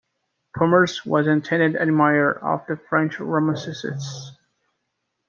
Pirmez was an ardent admirer of the French Romanticists.